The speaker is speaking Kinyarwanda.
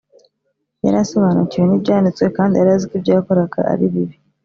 yari asobanukiwe n’ibyanditswe, kandi yari azi ko ibyo yakoraga ari bibi